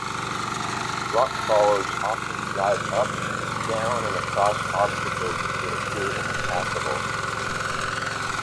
Rock crawlers often drive up, down and across obstacles that would appear impassable.